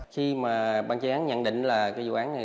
khi mà bác sĩ nhận định là cái vụ án này